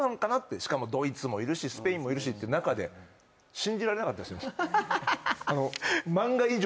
しかもドイツもいるしスペインもいるしの中で信じられなかったです。